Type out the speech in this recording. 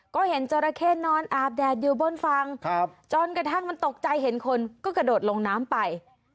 ก็เห็นจราเข้นอนอาบแดดอยู่บนฝั่งจนกระทั่งมันตกใจเห็นคนก็กระโดดลงน้ำไป